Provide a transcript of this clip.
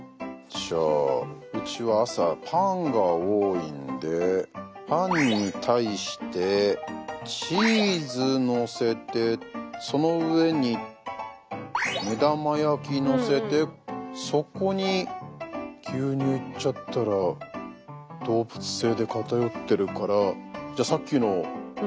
じゃあうちは朝パンが多いんでパンに対してチーズのせてその上に目玉焼きのせてそこに牛乳いっちゃったら動物性で偏ってるからこれいきますよね？